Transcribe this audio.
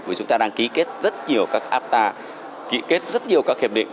vì chúng ta đang ký kết rất nhiều các apta ký kết rất nhiều các hiệp định